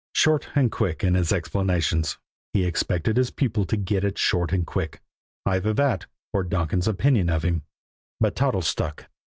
Short and quick in his explanations, he expected his pupil to get it short and quick; either that, or Donkin's opinion of him. But Toddles stuck.